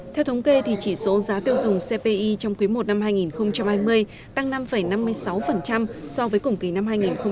theo thống kê chỉ số giá tiêu dùng cpi trong quý i năm hai nghìn hai mươi tăng năm năm mươi sáu so với cùng kỳ năm hai nghìn một mươi chín